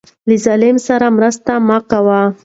له ظالم سره مرسته مه کوه.